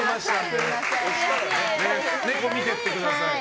ネコ見てってください。